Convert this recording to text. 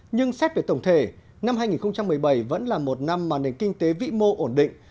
nhưng xét về tổng thể năm hai nghìn một mươi bảy vẫn là một năm mà nền kinh tế vĩ mô ổn định